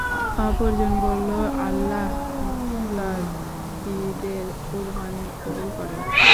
অপরজন বলল, আল্লাহ মুত্তাকীদের কুরবানী কবুল করেন।